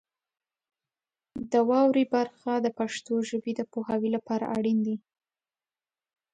د واورئ برخه د پښتو ژبې د پوهاوي لپاره اړین دی.